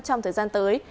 trong thời gian tới